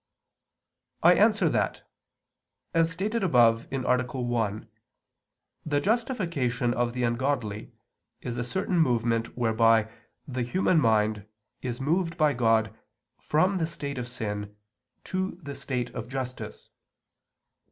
I answer that, As stated above (A. 1), the justification of the ungodly is a certain movement whereby the human mind is moved by God from the state of sin to the state of justice.